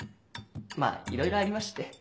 まぁいろいろありまして。